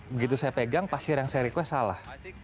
begitu saya pegang pasir yang saya request salah